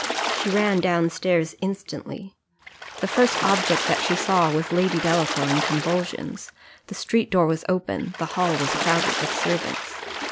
She ran down stairs instantly. The first object that she saw was Lady Delacour in convulsions the street door was open the hall was crowded with servants.